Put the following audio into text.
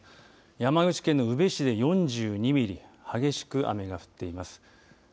山口県の宇部市で４２ミリ激しく雨が降っています。